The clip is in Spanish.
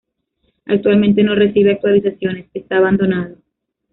Actualmente no recibe actualizaciones, está abandonado.